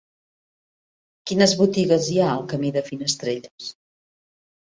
Quines botigues hi ha al camí de Finestrelles?